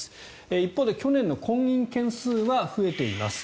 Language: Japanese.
一方で去年の婚姻件数は増えています。